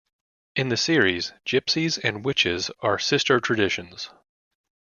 In the series, Gypsies and witches are sister traditions.